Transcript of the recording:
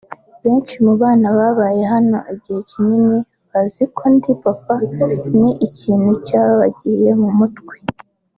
Benshi mu bana babaye hano igihe kinini bazi ko ndi “Papa” ni ikintu cyabagiye mu mutwe